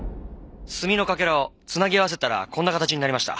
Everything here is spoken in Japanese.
墨のかけらをつなぎ合わせたらこんな形になりました。